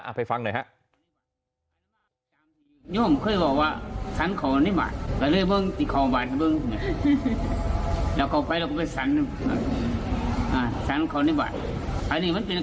ให้ฟังหน่อยครับ